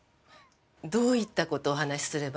どういった事をお話しすれば？